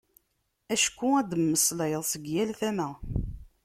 Acku ad d-temmeslayeḍ seg yal tama.